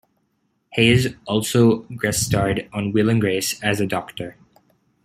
Hayes also guest starred on "Will and Grace" as a doctor.